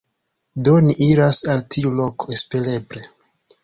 Do, ni iras al tiu loko, espereble